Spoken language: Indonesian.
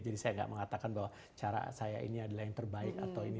jadi saya enggak mengatakan bahwa cara saya ini adalah yang terbaik atau ini